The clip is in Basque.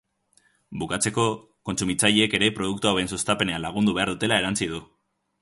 Bukatzeko, kontsumitzaileek ere produktu hauen sustapenean lagundu behar dutela erantsi du.